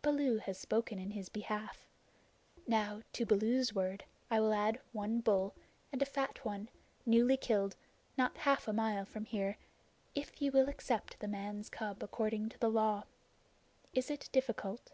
Baloo has spoken in his behalf. Now to Baloo's word I will add one bull, and a fat one, newly killed, not half a mile from here, if ye will accept the man's cub according to the Law. Is it difficult?"